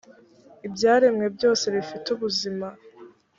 ibyaremwe byose bifite ubuzima.